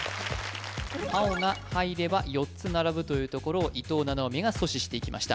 青が入れば４つ並ぶというところを伊藤七海が阻止していきました